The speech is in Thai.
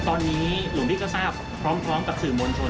ตอนนี้หลวงพี่ก็ทราบพร้อมกับสื่อมวลชน